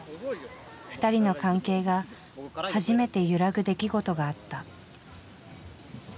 ２人の関係が初めて揺らぐ出来事があった。